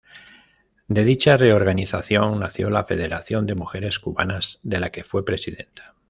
De dicha reorganización nació la Federación de Mujeres Cubanas de la que fue presidenta.